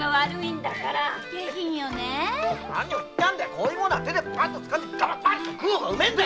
こういう物は手でパッとつかんで食う方がうめえんだよ！